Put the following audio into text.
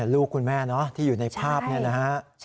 ลูกคุณแม่ที่อยู่ในภาพนี้นะฮะ